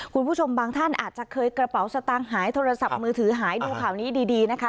คุณผู้ชมบางท่านอาจจะเคยกระเป๋าสตางค์หายโทรศัพท์มือถือหายดูข่าวนี้ดีนะคะ